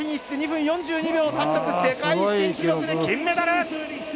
２分４２秒３６世界新記録で金メダル！